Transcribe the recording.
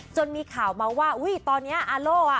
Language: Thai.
จนมีข่าวมาว่าอุ้ยตอนนี้อาโล่อ่ะ